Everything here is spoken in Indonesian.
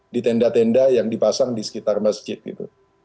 di tenda tenda yang dipasang di sekitar masjid itu